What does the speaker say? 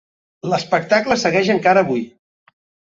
L'espectacle segueix encara avui.